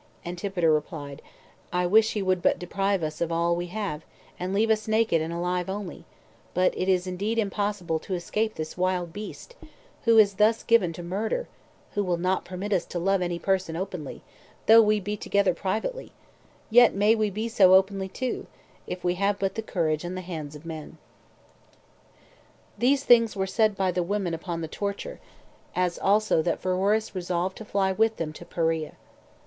Antipater replied, "I wish he would but deprive us of all we have, and leave us naked and alive only; but it is indeed impossible to escape this wild beast, who is thus given to murder, who will not permit us to love any person openly, although we be together privately; yet may we be so openly too, if we have but the courage and the hands of men." 4. These things were said by the women upon the torture; as also that Pheroras resolved to fly with them to Perea.